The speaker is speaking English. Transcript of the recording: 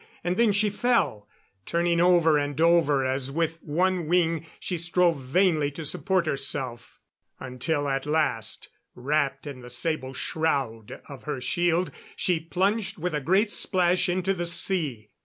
And then she fell, turning over and over as with one wing she strove vainly to support herself, until at last, wrapped in the sable shroud of her shield, she plunged with a great splash into the sea.